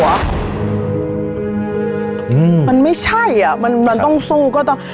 อืมมันไม่ใช่อ่ะมันมันต้องสู้ก็ต้อง